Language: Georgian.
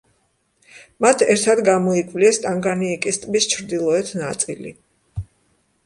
მათ ერთად გამოიკვლიეს ტანგანიიკის ტბის ჩრდილოეთ ნაწილი.